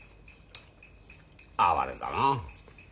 哀れだなあ。